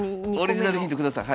オリジナルヒント下さい。